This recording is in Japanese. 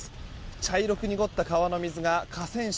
茶色く濁った川の水が河川敷